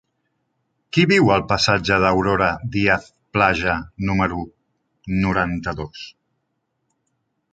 Qui viu al passatge d'Aurora Díaz Plaja número noranta-dos?